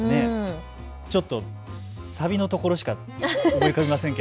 ちょっとサビのところしか思い浮かびませんけど。